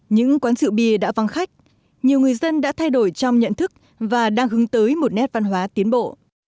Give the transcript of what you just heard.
những quán rượu bia đã văng khách nhiều người dân đã thay đổi trong nhận thức và đang hướng tới một nét văn hóa tiến bộ